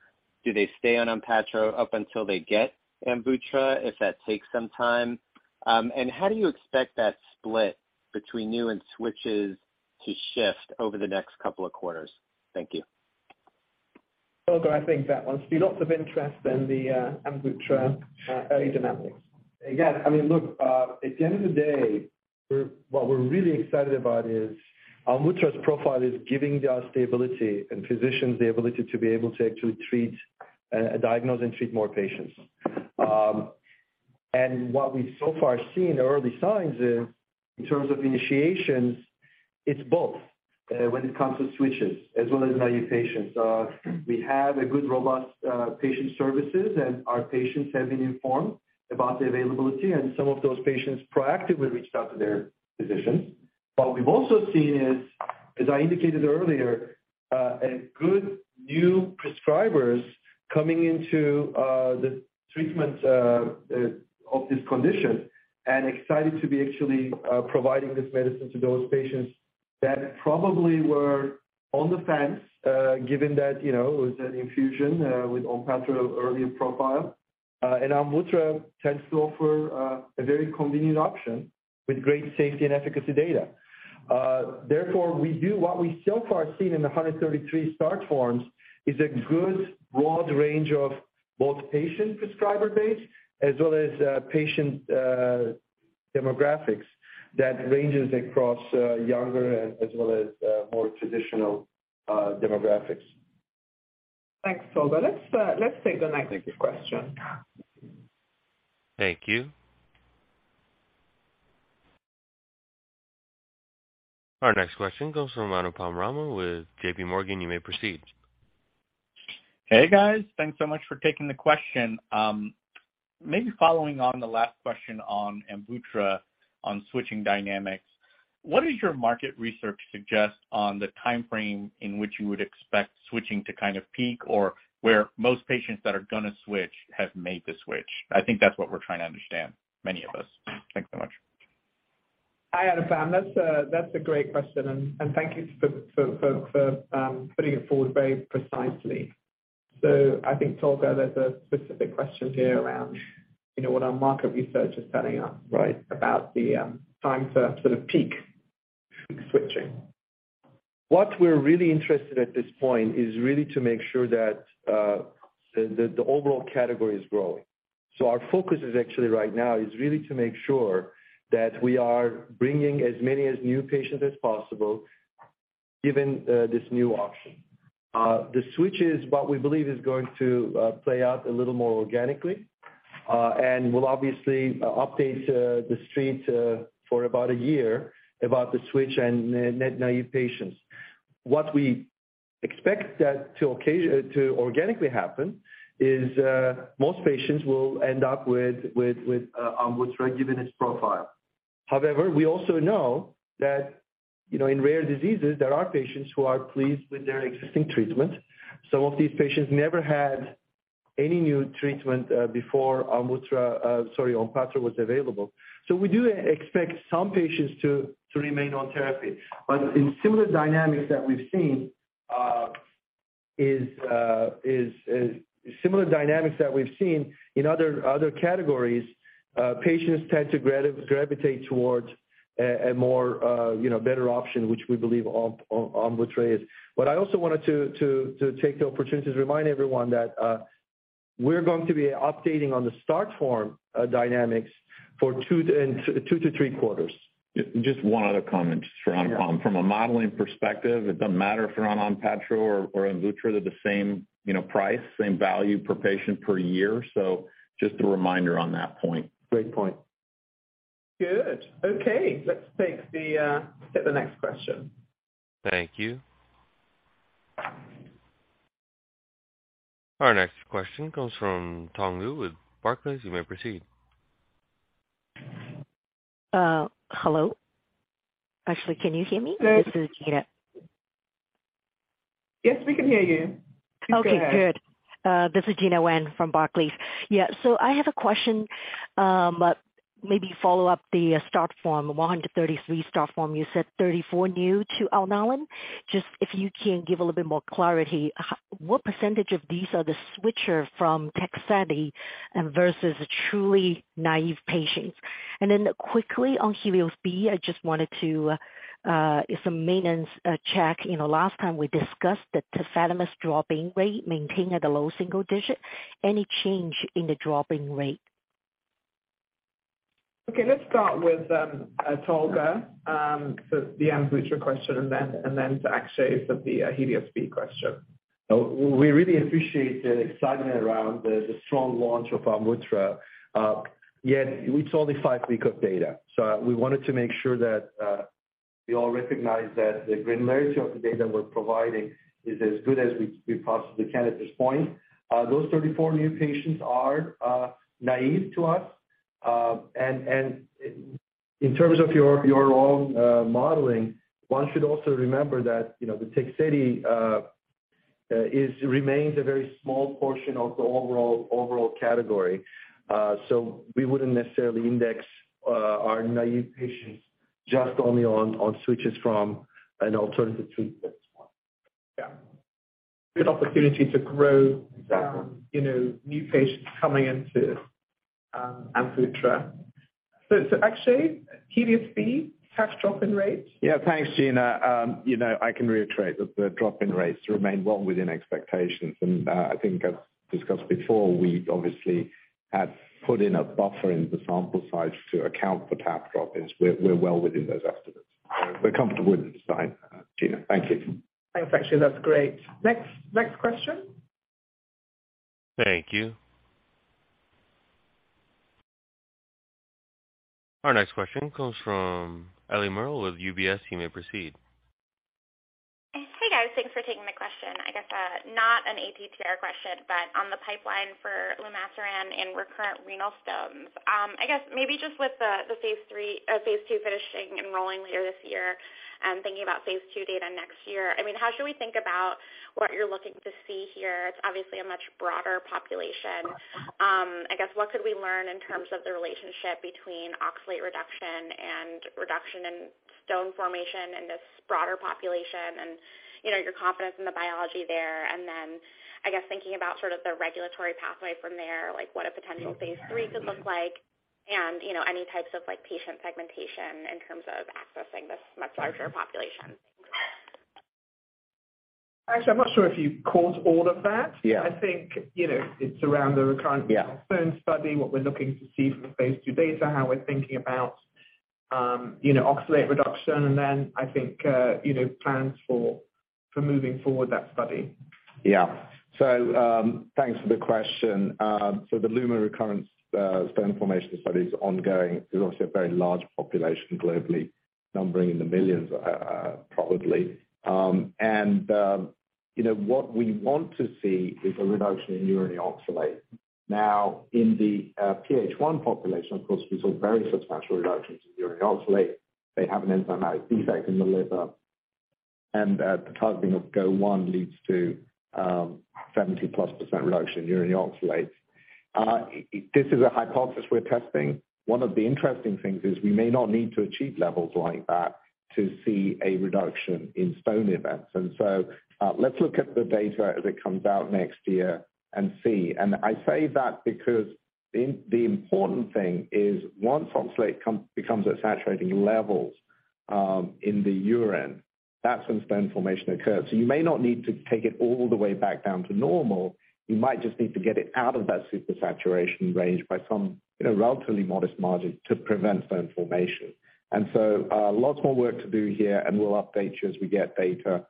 Do they stay on ONPATTRO up until they get AMVUTTRA, if that takes some time? How do you expect that split between new and switches to shift over the next couple of quarters? Thank you. Tolga, I think that one. See lots of interest in the AMVUTTRA early dynamics. Again, I mean, look, at the end of the day, what we're really excited about is AMVUTTRA's profile is giving us the ability and physicians the ability to be able to actually treat, diagnose and treat more patients. What we've so far seen early signs is in terms of initiations, it's both, when it comes to switches as well as new patients. We have a good, robust, patient services, and our patients have been informed about the availability, and some of those patients proactively reached out to their physicians. What we've also seen is, as I indicated earlier, a good new prescribers coming into the treatment of this condition and excited to be actually providing this medicine to those patients that probably were on the fence, given that, you know, it was an infusion with ONPATTRO earlier profile. AMVUTTRA tends to offer a very convenient option with great safety and efficacy data. Therefore, we do what we so far seen in the 133 start forms is a good broad range of both patient prescriber base as well as patient demographics that ranges across younger as well as more traditional demographics. Thanks, Tolga. Let's take the next question. Thank you. Our next question comes from Anupam Rama with JP Morgan. You may proceed. Hey, guys. Thanks so much for taking the question. Maybe following on the last question on AMVUTTRA on switching dynamics, what does your market research suggest on the timeframe in which you would expect switching to kind of peak or where most patients that are gonna switch have made the switch? I think that's what we're trying to understand, many of us. Thanks so much. Hi, Anupam. That's a great question and thank you for putting it forward very precisely. I think, Tolga, there's a specific question here around, you know, what our market research is telling us, right? About the time for sort of peak switching. What we're really interested in at this point is really to make sure that the overall category is growing. Our focus is actually right now is really to make sure that we are bringing as many new patients as possible given this new option. The switch is what we believe is going to play out a little more organically. We'll obviously update the Street for about a year about the switch and naive patients. What we expect that to organically happen is most patients will end up on vutrisiran's profile. However, we also know that, you know, in rare diseases there are patients who are pleased with their existing treatment. Some of these patients never had any new treatment before ONPATTRO was available. We expect some patients to remain on therapy. In similar dynamics that we've seen in other categories, patients tend to gravitate toward a more better option, which we believe AMVUTTRA is. I also wanted to take the opportunity to remind everyone that we're going to be updating on the start form dynamics for 2 to 3 quarters. Just one other comment just for Anupam. Yeah. From a modeling perspective, it doesn't matter if you're on ONPATTRO or AMVUTTRA. They're the same, you know, price, same value per patient per year. Just a reminder on that point. Great point. Good. Okay, let's take the next question. Thank you. Our next question comes from Gena Wang with Barclays. You may proceed. Hello. Actually, can you hear me? Yes. This is Gena. Yes, we can hear you. Okay, good. Please go ahead. This is Gena Wang from Barclays. I have a question, maybe follow up on the starts, 133 starts. You said 34 new to Alnylam. Just if you can give a little bit more clarity, what percentage of these are the switchers from Tegsedi versus truly naive patients? Quickly on HELIOS-B, I just wanted to do some maintenance check. You know, last time we discussed the Tafamidis dropout rate maintained at a low single digit. Any change in the dropout rate? Okay, let's start with Tolga for the AMVUTTRA question and then to Akshay for the HELIOS-B question. We really appreciate the excitement around the strong launch of AMVUTTRA. Yet it's only five weeks of data, so we wanted to make sure that we all recognize that the granularity of the data we're providing is as good as we possibly can at this point. Those 34 new patients are naive to us. In terms of your own modeling, one should also remember that, you know, the Tegsedi remains a very small portion of the overall category. We wouldn't necessarily index our naive patients just only on switches from an alternative treatment. Yeah. Good opportunity to grow. Exactly. You know, new patients coming into AMVUTTRA. Akshay, HELIOS-B dropout rates? Yeah. Thanks, Gena. You know, I can reiterate that the drop-in rates remain well within expectations. I think as discussed before, we obviously have put in a buffer in the sample size to account for ATTR drop-ins. We're well within those estimates. We're comfortable with the design, Gena. Thank you. Thanks, Akshay. That's great. Next question. Thank you. Our next question comes from Eliana Merle with UBS. You may proceed. Hey, guys. Thanks for taking the question. I guess not an ATTR question, but on the pipeline for lumasiran and recurrent renal stones. I guess maybe just with the phase II finishing enrolling later this year and thinking about phase II data next year, I mean, how should we think about what you're looking to see here? It's obviously a much broader population. I guess what could we learn in terms of the relationship between oxalate reduction and reduction in stone formation in this broader population? You know, your confidence in the biology there. I guess thinking about sort of the regulatory pathway from there, like what a potential phase III could look like and, you know, any types of like patient segmentation in terms of accessing this much larger population. Akshay, I'm not sure if you caught all of that. Yeah. I think, you know, it's around the recurrent. Yeah. Stone study, what we're looking to see from the phase II data, how we're thinking about, you know, oxalate reduction and then I think, you know, plans for moving forward that study. Yeah. Thanks for the question. The lumasiran recurrent stone formation study is ongoing. There's also a very large population globally, numbering in the millions, probably. You know, what we want to see is a reduction in urinary oxalate. Now in the PH1 population, of course, we saw very substantial reductions in urinary oxalate. They have an enzymatic defect in the liver, and the targeting of GO leads to 70+% reduction in urinary oxalates. This is a hypothesis we're testing. One of the interesting things is we may not need to achieve levels like that to see a reduction in stone events. Let's look at the data as it comes out next year and see. I say that because the important thing is once oxalate becomes at saturating levels in the urine. That's when stone formation occurs. You may not need to take it all the way back down to normal, you might just need to get it out of that supersaturation range by some, you know, relatively modest margin to prevent stone formation. Lots more work to do here, and we'll update you as we get data.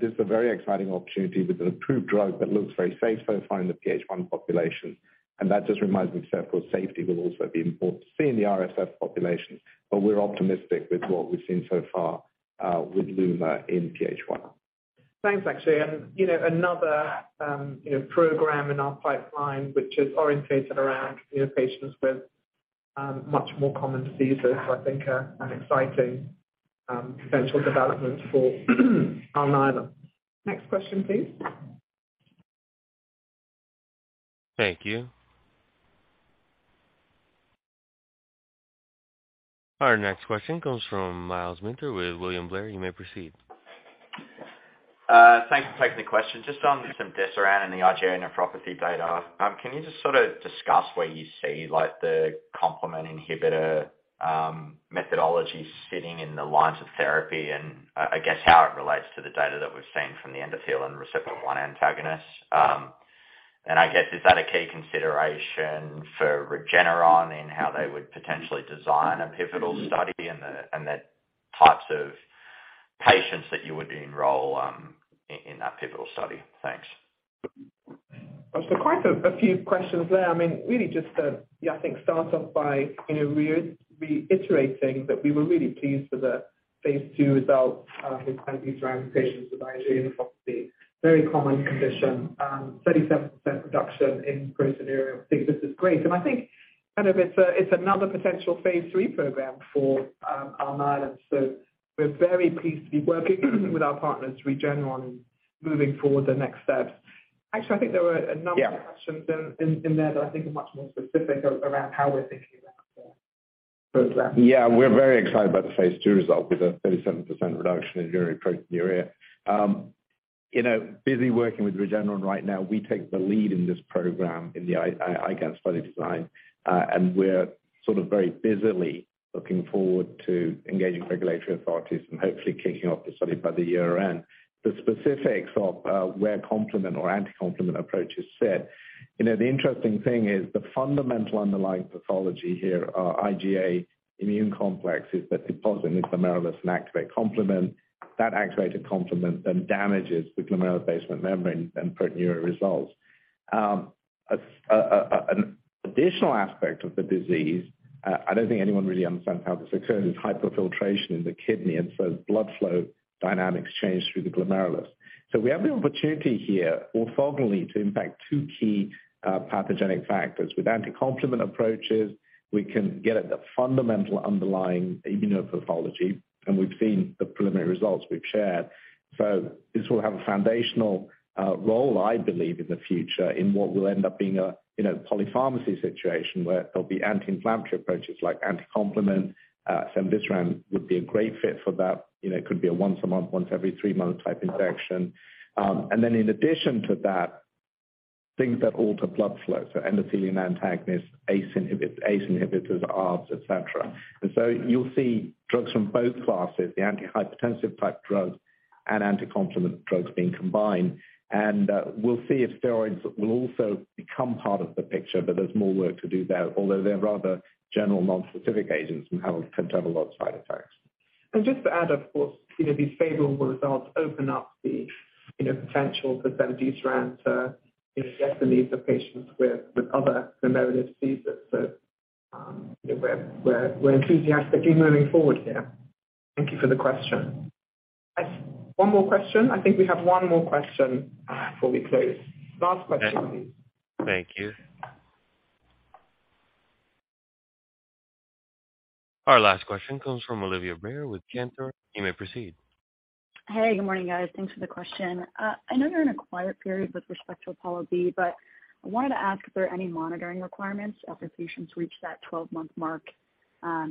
This is a very exciting opportunity with an approved drug that looks very safe so far in the PH1 population. That just reminds me to say, of course, safety will also be important to see in the RSF population. We're optimistic with what we've seen so far with lumasiran in PH1. Thanks, Akshay. You know, another you know, program in our pipeline, which is orientated around you know, patients with much more common diseases, I think are an exciting potential development for Alnylam. Next question, please. Thank you. Our next question comes from Myles Minter with William Blair. You may proceed. Thanks for taking the question. Just on some cemdisiran and the IgA nephropathy data. Can you just sort of discuss where you see, like, the complement inhibitor methodology sitting in the lines of therapy? I guess how it relates to the data that we've seen from the endothelin receptor A antagonist. I guess, is that a key consideration for Regeneron in how they would potentially design a pivotal study and the types of patients that you would enroll in that pivotal study? Thanks. Quite a few questions there. I think start off by you know reiterating that we were really pleased with the phase II results with cemdisiran patients with IgA nephropathy. Very common condition. 37% reduction in proteinuria. I think this is great. I think it's another potential phase III program for Alnylam. We're very pleased to be working with our partners, Regeneron, moving forward the next steps. Akshay, I think there were a number of questions in there that I think are much more specific around how we're thinking about the program. Yeah. We're very excited about the phase II result with a 37% reduction in urinary proteinuria. You know, busy working with Regeneron right now. We take the lead in this program in the IgANs study design. We're sort of very busily looking forward to engaging with regulatory authorities and hopefully kicking off the study by the year-end. The specifics of where complement or anti-complement approaches sit. You know, the interesting thing is the fundamental underlying pathology here are IgA immune complexes that deposit in the glomerulus and activate complement. That activated complement then damages the glomerular basement membrane and proteinuria results. An additional aspect of the disease, I don't think anyone really understands how this occurs, is hyperfiltration in the kidney, and so blood flow dynamics change through the glomerulus. We have the opportunity here orthogonally to impact two key, pathogenic factors. With anticomplement approaches, we can get at the fundamental underlying immunopathology, and we've seen the preliminary results we've shared. This will have a foundational role, I believe, in the future in what will end up being a, you know, polypharmacy situation, where there'll be anti-inflammatory approaches like anticomplement. Bendeteran would be a great fit for that. You know, it could be a once a month, once every three month type injection. In addition to that, things that alter blood flow, so endothelin antagonists, ACE inhibitors, ARBs, et cetera. You'll see drugs from both classes, the antihypertensive type drugs and anticomplement drugs being combined. We'll see if steroids will also become part of the picture, but there's more work to do there, although they're rather general non-specific agents and can have a lot of side effects. Just to add, of course, you know, these favorable results open up the, you know, potential for cemdisiran to meet the needs of patients with other glomerular diseases. We're enthusiastically moving forward here. Thank you for the question. One more question. I think we have one more question before we close. Last question. Thank you. Our last question comes from Olivia Brayer with Cantor. You may proceed. Hey, good morning, guys. Thanks for the question. I know you're in a quiet period with respect to APOLLO-B, but I wanted to ask if there are any monitoring requirements after patients reach that 12-month mark,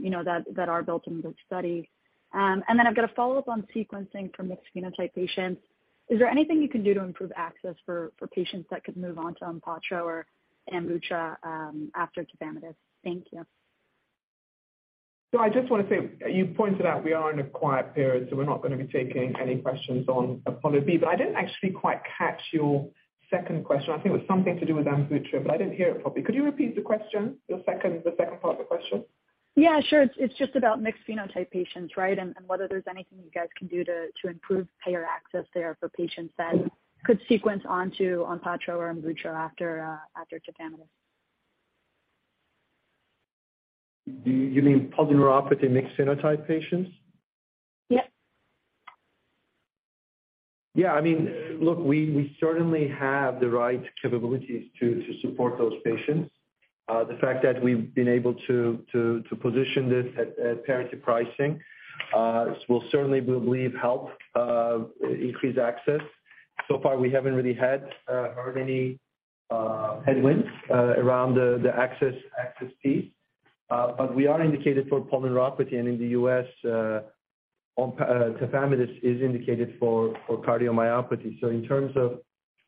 you know, that are built into the study. I've got a follow-up on sequencing for mixed phenotype patients. Is there anything you can do to improve access for patients that could move on to ONPATTRO or AMVUTTRA after Tafamidis? Thank you. I just wanna say, you pointed out we are in a quiet period, so we're not gonna be taking any questions on APOLLO-B. I didn't actually quite catch your second question. I think it was something to do with AMVUTTRA, but I didn't hear it properly. Could you repeat the question, your second, the second part of the question? Yeah, sure. It's just about mixed phenotype patients, right? Whether there's anything you guys can do to improve payer access there for patients that could sequence onto ONPATTRO or AMVUTTRA after Tafamidis. Do you mean polyneuropathy mixed phenotype patients? Yep. Yeah. I mean, look, we certainly have the right capabilities to support those patients. The fact that we've been able to position this at parity pricing will certainly help increase access. We haven't really heard any headwinds around the access piece. But we are indicated for polyneuropathy. In the U.S., Tafamidis is indicated for cardiomyopathy. In terms of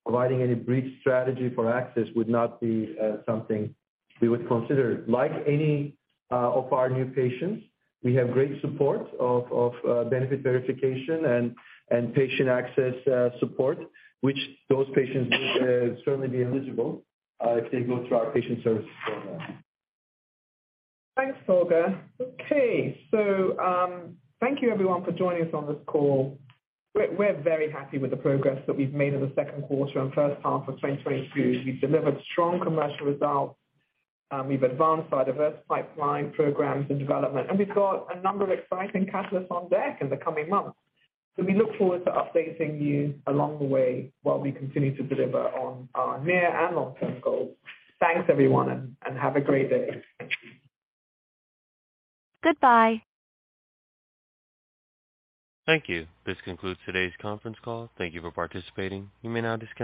providing any brief strategy for access, that would not be something we would consider. Like any of our new patients, we have great support of benefit verification and patient access support, which those patients would certainly be eligible if they go through our patient services program. Thanks, Tolga. Okay. Thank you everyone for joining us on this call. We're very happy with the progress that we've made in the second quarter and first half of 2022. We've delivered strong commercial results. We've advanced our diverse pipeline programs and development. We've got a number of exciting catalysts on deck in the coming months. We look forward to updating you along the way while we continue to deliver on our near and long-term goals. Thanks, everyone, and have a great day. Goodbye. Thank you. This concludes today's conference call. Thank you for participating. You may now disconnect.